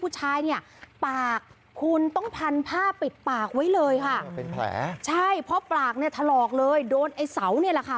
ใช่เพราะปลากนี่ถลอกเลยโดนไอ้สาวนี่แหละค่ะ